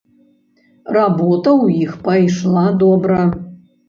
Работа ў іх пайшла добра.